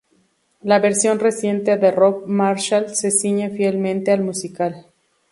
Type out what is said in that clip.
La versión reciente de Rob Marshall se ciñe fielmente al musical.